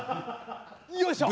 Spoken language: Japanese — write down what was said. よいしょ。